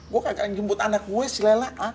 gua kagak jemput anak gue si laila